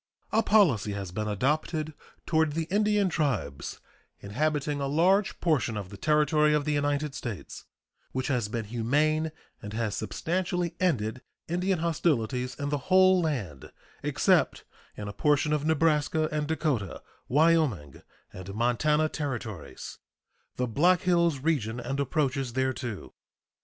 A policy has been adopted toward the Indian tribes inhabiting a large portion of the territory of the United States which has been humane and has substantially ended Indian hostilities in the whole land except in a portion of Nebraska, and Dakota, Wyoming, and Montana Territories the Black Hills region and approaches thereto.